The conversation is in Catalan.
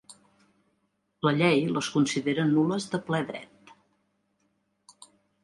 La llei les considera nul·les de ple dret.